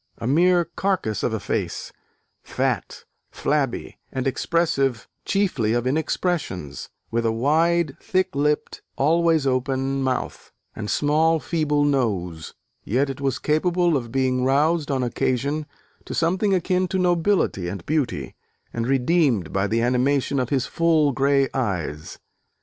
a mere carcase of a face; fat, flabby, and expressive chiefly of inexpressions," with a wide, thick lipped, always open mouth, and small feeble nose. Yet it was capable of being roused, on occasion, to something akin to nobility and beauty, and redeemed by the animation of his full, grey eyes.